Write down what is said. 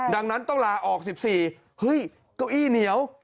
ดังนั้นต้องลาออก๑๔เฮ้ยเก้าอี้เหนียว